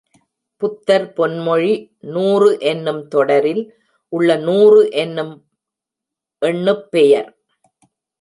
புத்தர் பொன்மொழி நூறு என்னும் தொடரில் உள்ள நூறு என்னும் எண்ணுப் பெயர்.